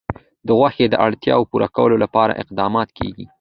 د غوښې د اړتیاوو پوره کولو لپاره اقدامات کېږي.